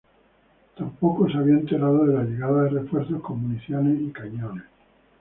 Tampoco se había enterado de la llegada de refuerzos con municiones y cañones.